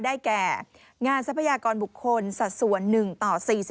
ได้แก่งานทรัพยากรบุคคลสัดส่วน๑ต่อ๔๔